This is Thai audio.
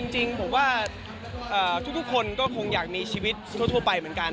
จริงผมว่าทุกคนก็คงอยากมีชีวิตทั่วไปเหมือนกัน